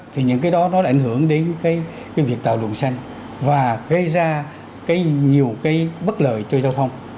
thì những cái đó nó ảnh hưởng đến cái việc tạo luồng xanh và gây ra nhiều cái bất lợi cho giao thông